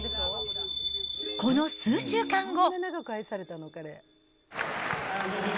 この数週間後。